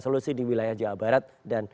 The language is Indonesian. solusi di wilayah jawa barat dan